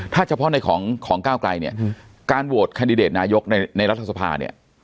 ถ้าเฉพาะในของก้าวไกลเนี่ยการโหวตแคนดิเดตนายกในรัฐสภาเนี่ย